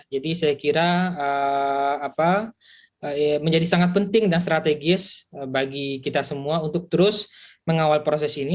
jadi saya kira menjadi sangat penting dan strategis bagi kita semua untuk terus mengawal proses ini